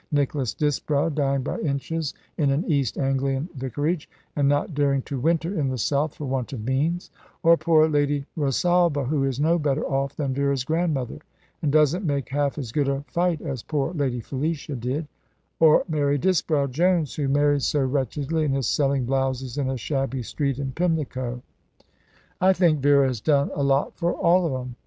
Nicholas Disbrowe, dying by inches in an East Anglian Vicarage, and not daring to winter in the South, for want of means; or poor Lady Rosalba, who is no better off than Vera's grandmother, and doesn't make half as good a fight as poor Lady Felicia did; or Mary Disbrowe Jones, who married so wretchedly, and is selling blouses in a shabby street in Pimlico " "I think Vera has done a lot for all of 'em.